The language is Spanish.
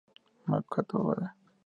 Makoto Oda